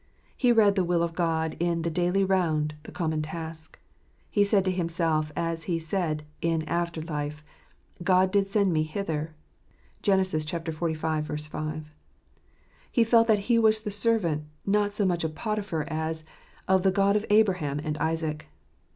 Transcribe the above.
He read the will of God in "the daily round, the common task." He said to himself, as he said in after life, "God did send me hither" (xlv. 5). He felt that he was the servant— not so much of Potiphar as — of the God of Abraham and Isaac.